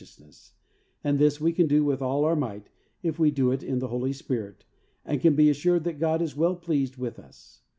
eousness, and this we can do with all our might, if we do it in the Holy Spirit, and can be assured that God is well pleased with us.